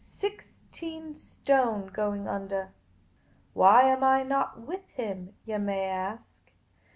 Sixteen stone going under. Why am I not with him ? yah may ask.